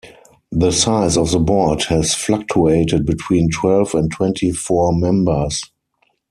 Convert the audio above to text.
The size of the board has fluctuated between twelve and twenty-four members.